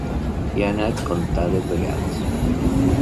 Hi ha anat comptades vegades.